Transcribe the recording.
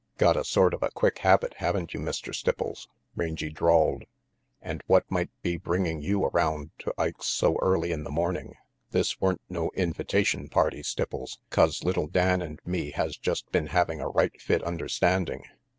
"Got a sort of a quick habit, haven't you, Mr. RANGY PETE Stipples?" Rangy drawled. "And what might be bringing you around to Ike's so early in the morning? This weren't no invitation party, Stipples, 'cause little Dan and me has just been having a right fit understanding.